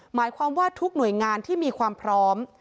หมายความว่าทุกหน่วยงานที่มีความพร้อม